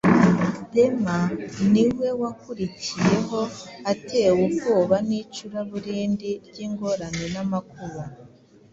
Dema ni we wakurikiyeho, atewe ubwoba n’icuraburindi ry’ingorane n’amakuba